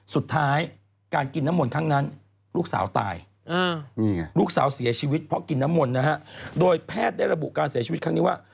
สุดท้ายการกินน้ำมนต์ครั้งนั้นลูกสาวตายลูกสาวเสียชีวิตเพราะกินน้ำมนต์นะฮะโดยแพทย์ได้ระบุการเสียชีวิตครั้งนี้ว่า